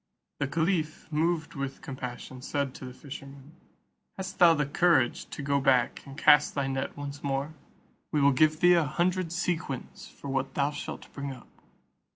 The caliph, moved with compassion, said to the fisherman, "Hast thou the courage to go back and cast thy net once more? We will give thee a hundred sequins for what thou shalt bring up."